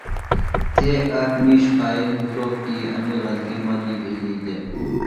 تھے آک مِیش قائل بِھلوۡ کی انیۡ غلطیۡ مہ دی بِھلیۡ دےۡ۔